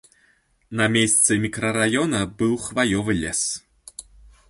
На месцы мікрараёна быў хваёвы лес.